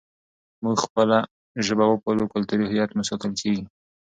موږ خپله ژبه وپالو، کلتوري هویت مو ساتل کېږي.